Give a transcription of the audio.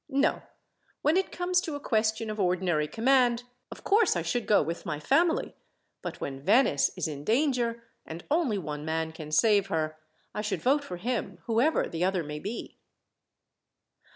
No. When it comes to a question of ordinary command, of course I should go with my family; but when Venice is in danger, and only one man can save her, I should vote for him, whoever the other may be."